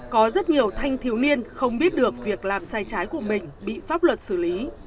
có rất nhiều thanh thiếu niên không biết được việc làm sai trái của mình bị pháp luật xử lý